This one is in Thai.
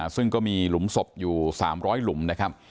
ซึ่งก็มีหลุมศพอยู่๓๐๐หลุมนะครับ